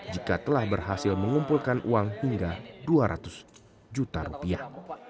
jika telah berhasil mengumpulkan uang hingga dua ratus juta rupiah